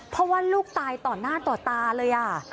เพราะว่าลูกตายต่อหน้าต่อตาเลย